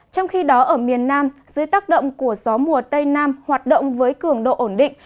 trong khi đó ở miền nam dưới tác động của gió mùa tây nam hoạt động với cường độ ổn định